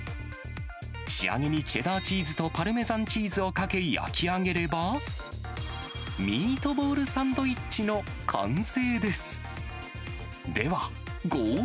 仕上げにチェダーチーズとパルメザンチーズをかけ焼き上げれば、ミートボールサンドイッチの完成です。